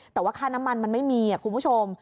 แต่ว่าค่าน้ำมันมันไม่มีคุณผู้ชม